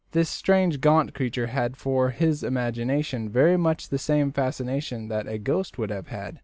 The strange gaunt creature had for his imagination very much the fascination that a ghost would have had.